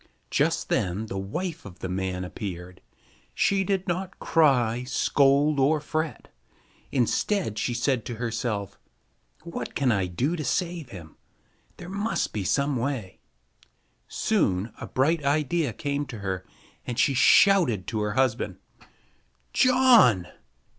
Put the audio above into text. Just then the wife of the man appeared. She did not cry, scold, or fret. Instead, she said to herself, "What can I do to save him? There must be some way." Soon a bright idea came to her, and she shouted to her husband: "John!